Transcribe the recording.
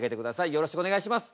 よろしくお願いします。